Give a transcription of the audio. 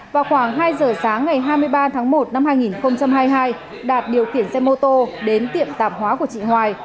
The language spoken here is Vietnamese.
vào khoảng hai giờ sáng ngày hai mươi ba tháng một năm hai nghìn hai mươi hai đạt điều khiển xe mô tô đến tiệm tạp hóa của chị hoài